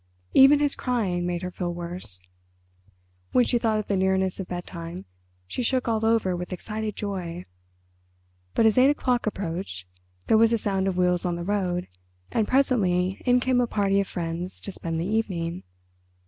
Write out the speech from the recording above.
Even his crying made her feel worse. When she thought of the nearness of bedtime she shook all over with excited joy. But as eight o'clock approached there was the sound of wheels on the road, and presently in came a party of friends to spend the evening.